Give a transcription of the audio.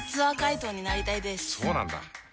そうなんだ。